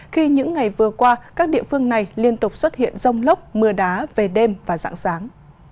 khi những ngày vừa qua các địa phương này liên tục xuất hiện rông lóc mưa đá về đêm và dạng sáng